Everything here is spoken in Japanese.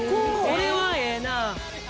これはええなあ。